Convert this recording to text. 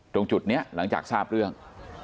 ตรงจุดนี้หลังจากทราบเรื่อง